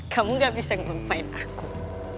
kamu gak bisa mbampain aku